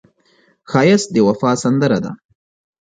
ښایست د وفا سندره ده